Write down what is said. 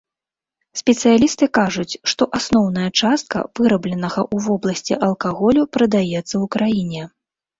Спецыялісты кажуць, што асноўная частка вырабленага ў вобласці алкаголю прадаецца ў краіне.